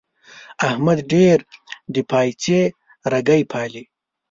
احمد ډېر د پايڅې رګی پالي.